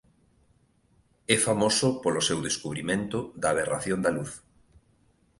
É famoso polo seu descubrimento da aberración da luz.